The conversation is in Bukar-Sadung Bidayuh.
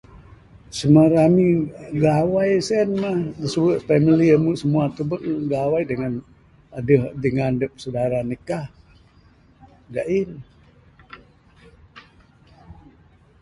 Semua rami gawai sien mah da suwe family amu semua tubek ne gawai dangan adeh dingan saudara adep ne kah gain.